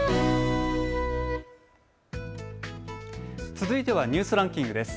続いてはニュースランキングです。